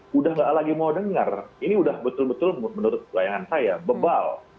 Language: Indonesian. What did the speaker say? sudah tidak lagi mau dengar ini sudah betul betul menurut layanan saya bebal